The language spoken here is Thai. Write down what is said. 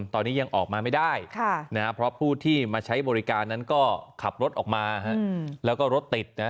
ตอนนี้ยังออกมาไม่ได้เพราะผู้ที่มาใช้บริการนั้นก็ขับรถออกมาแล้วก็รถติดนะ